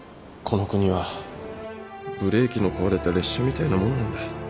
この国はブレーキの壊れた列車みたいなもんなんだ